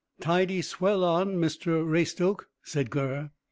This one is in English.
"Tidy swell on, Mr Raystoke," said Gurr.